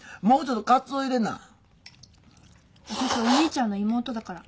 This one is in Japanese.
わたしお兄ちゃんの妹だから。